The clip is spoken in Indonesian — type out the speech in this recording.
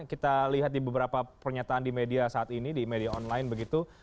kita lihat di beberapa pernyataan di media saat ini di media online begitu